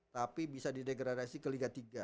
tapi bisa di degradasi ke liga tiga